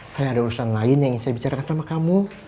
saya ada urusan lain yang saya bicarakan sama kamu